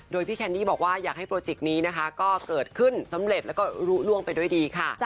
โดยพี่แคนดี้บอกว่าอยากให้โปรเจกต์นี้นะคะก็เกิดขึ้นสำเร็จแล้วก็รู้ล่วงไปด้วยดีค่ะ